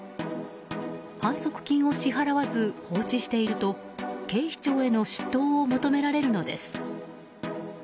反則金を支払わず放置していると警視庁への出頭を求められるのです。